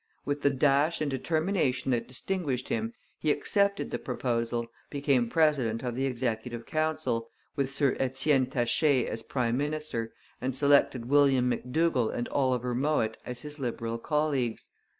With the dash and determination that distinguished him, he accepted the proposal, became president of the Executive Council, with Sir Etienne Taché as prime minister, and selected William McDougall and Oliver Mowat as his Liberal colleagues.